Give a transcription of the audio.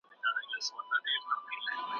هند په خپله صنعتي هېواد و.